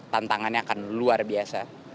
tantangannya akan luar biasa